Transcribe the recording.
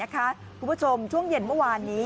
คุณผู้ชมช่วงเย็นเมื่อวานนี้